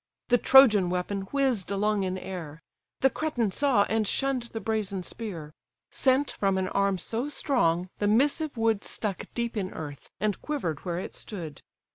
The Trojan weapon whizz'd along in air; The Cretan saw, and shunn'd the brazen spear: Sent from an arm so strong, the missive wood Stuck deep in earth, and quiver'd where it stood.